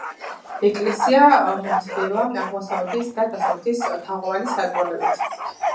ეკლესია ნათდება აღმოსავლეთის და დასავლეთის თაღოვანი სარკმლებით.